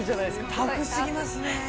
タフすぎますね。